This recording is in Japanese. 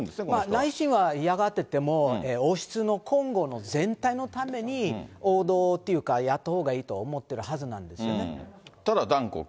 内心は嫌がってても、王室の今後の全体のために、行動っていうか、やったほうがいいと思ってるはずなんですよね。